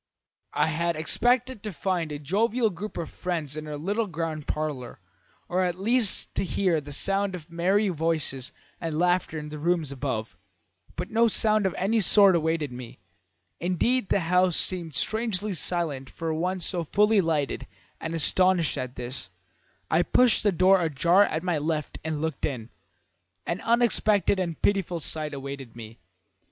"I had expected to find a jovial group of friends in her little ground parlour, or at least to hear the sound of merry voices and laughter in the rooms above; but no sounds of any sort awaited me; indeed the house seemed strangely silent for one so fully lighted, and, astonished at this, I pushed the door ajar at my left and looked in. An unexpected and pitiful sight awaited me.